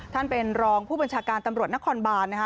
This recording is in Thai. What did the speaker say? ท่านเป็นรองผู้บัญชาการตำรวจนครบานนะคะ